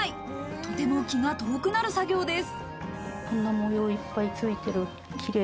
とても気が遠くなる作業です。